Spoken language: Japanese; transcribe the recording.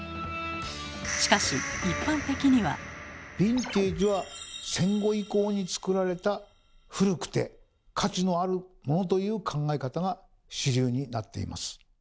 しかしヴィンテージは「戦後以降に作られた古くて価値のあるモノ」という考え方が主流になっています。